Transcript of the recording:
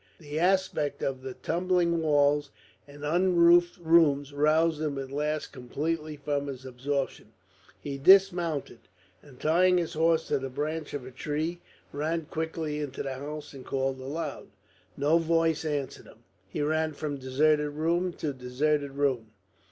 The aspect of the tumbling walls and unroofed rooms roused him at last completely from his absorption. He dismounted, and, tying his horse to the branch of a tree, ran quickly into the house and called aloud. No voice answered him. He ran from deserted room to deserted room.